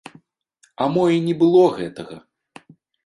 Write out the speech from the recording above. А мо і не было гэтага?